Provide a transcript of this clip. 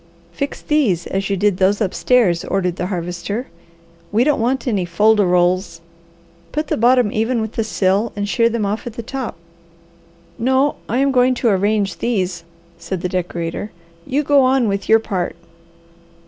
"Fix these as you did those upstairs," ordered the Harvester. "We don't want any fol de rols. Put the bottom even with the sill and shear them off at the top." "No, I am going to arrange these," said the decorator, "you go on with your part."